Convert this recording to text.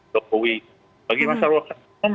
tokohi bagi masyarakat umum